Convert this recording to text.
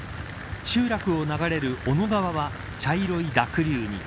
集落を流れる小野川は茶色い濁流に。